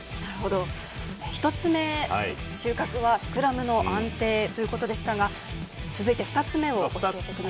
１つ目、収穫はスクラムの安定でしたが続いて２つ目を教えてください。